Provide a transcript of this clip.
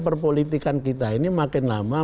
perpolitikan kita ini makin lama